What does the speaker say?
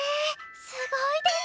すごいです。